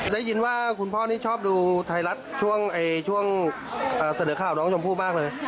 ได้ยินว่าคุณพ่อนี่ชอบดูไทยรัฐช่วงเสนอข่าวน้องชมพู่มากเลย